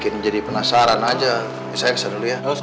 bikin jadi penasaran aja bisa yang seru dia